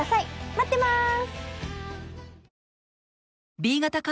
待ってます。